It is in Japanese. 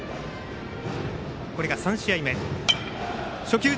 これが３試合目。